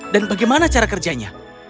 dan bagaimana cara kerjanya